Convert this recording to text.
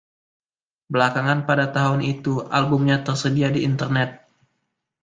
Belakangan pada tahun itu, albumnya tersedia di Internet.